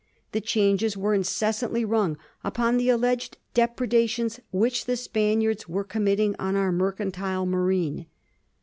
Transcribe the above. The changes were incessantly rung upon the alleged dep< redations which the Spaniards were committing on our mercantile marine.